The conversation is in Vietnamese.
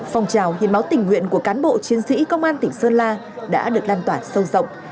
phong trào hiến máu tình nguyện của cán bộ chiến sĩ công an tỉnh sơn la đã được lan tỏa sâu rộng